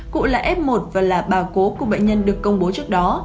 cụ là f một và là bà cố của bệnh nhân được công bố trước đó